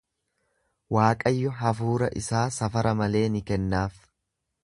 Waaqayyo hafuura isaa safara malee ni kennaaf.